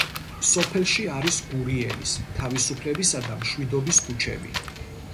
სოფელში არის გურიელის, თავისუფლებისა და მშვიდობის ქუჩები.